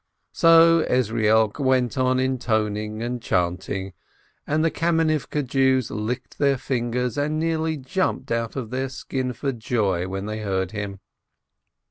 So Ezrielk went on intoning and chanting, and the Kamenivke Jews licked their fingers, and nearly jumped out of their skin for joy when they heard him.